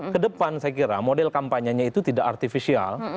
kedepan saya kira model kampanyenya itu tidak artifisial